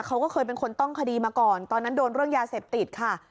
เขาก็เคยเป็นคนต้องคดีมาก่อนตอนนั้นโดนเรื่องยาเสพติดค่ะ